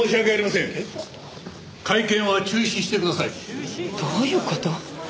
中止？どういう事！？